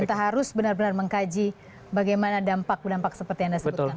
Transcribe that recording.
kita harus benar benar mengkaji bagaimana dampak dampak seperti yang anda sebutkan